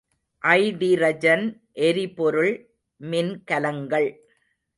Hydrogen எரிபொருள் மின்கலங்கள்.